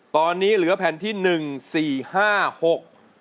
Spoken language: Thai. ตอนนี้เหลือแผ่นที่หนึ่งสี่ห้าหก